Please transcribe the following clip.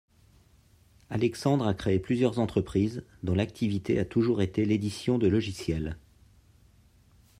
Alexandre a créé plusieurs entreprises, dont l’activité a toujours été l’édition de logiciels.